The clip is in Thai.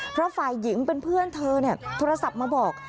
เพราะฝ่ายหญิงเป็นเพื่อนเธอโทรศัพท์มาบอก